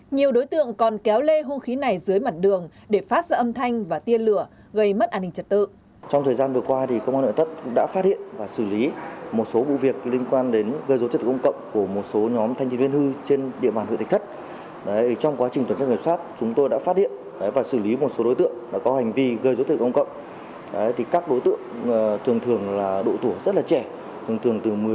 nhiều đối tượng còn kéo lê hung khí này dưới mặt đường để phát ra âm thanh và tiên lửa gây mất an ninh trật tự